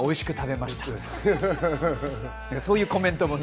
そういうコメントもね。